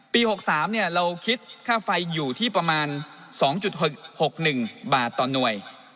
๖๓เราคิดค่าไฟอยู่ที่ประมาณ๒๖๑บาทต่อหน่วย